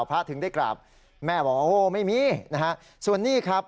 พระอาทิตย์ถึงได้กราบแม่บอกว่าโอ้ไม่มีนะฮะส่วนนี่ครับ